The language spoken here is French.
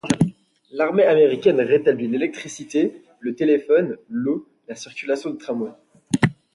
L’armée américaine rétablit l’électricité, le téléphone, l’eau, la circulation des tramways.